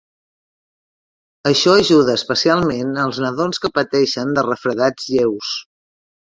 Això ajuda especialment als nadons que pateixen de refredats lleus.